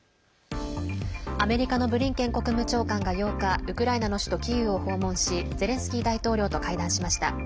アメリカのブリンケン国務長官が８日ウクライナの首都キーウを訪問しゼレンスキー大統領と会談しました。